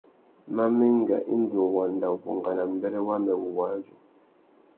Ma mú enga indi nʼwanda ubungana mbêrê wamê wuwadjú.